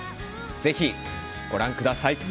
ぜひ、ご覧ください。